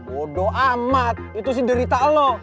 waduh amat itu sih derita lo